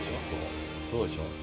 そうでしょ？